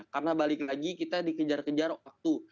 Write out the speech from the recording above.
karena balik lagi kita dikejar kejar waktu